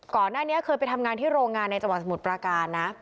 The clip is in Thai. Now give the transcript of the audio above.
ก่อนหน้านี้เคยไปทำงานที่โรงงานในจังหวัดสมุทรปราการนะ